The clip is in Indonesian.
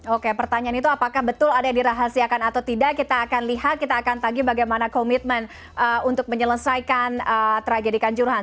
oke pertanyaan itu apakah betul ada yang dirahasiakan atau tidak kita akan lihat kita akan tagih bagaimana komitmen untuk menyelesaikan tragedi kanjuruhan